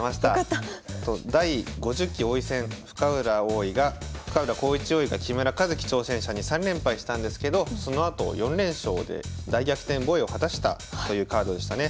第５０期王位戦深浦康市王位が木村一基挑戦者に３連敗したんですけどそのあと４連勝で大逆転防衛を果たしたというカードでしたね。